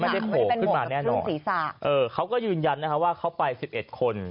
ไม่ได้โผล่ขึ้นมาแน่นอนไม่ได้หมวกแบบภูมิศีรษะเออเขาก็ยืนยันนะคะว่าเข้าไปสิบเอ็ดคน